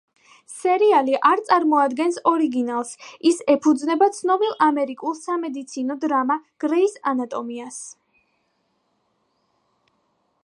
სერიალი არ წარმოადგენს ორიგინალს, ის ეფუძნება ცნობილ ამერიკულ სამედიცინო დრამა „გრეის ანატომიას“.